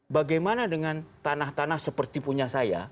bagaimana dengan tanah tanah seperti punya saya